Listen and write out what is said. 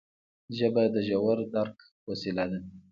ژبه د ژور درک وسیله ده